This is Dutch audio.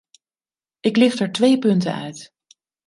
Ik licht er twee punten uit.